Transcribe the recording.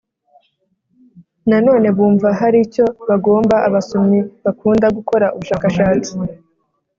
Nanone bumva hari icyo bagomba abasomyi bakunda gukora ubushakashatsi